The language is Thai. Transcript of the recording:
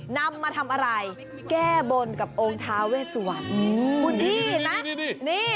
นำมาทำอะไรแก้บนกับองค์ท้าเวสวรรณคุณพี่เห็นไหมนี่